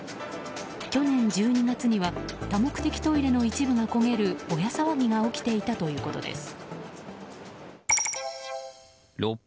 去年１２月には多目的トイレの一部が焦げるボヤ騒ぎが起きていたということです。